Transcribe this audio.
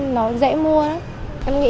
nó dễ mua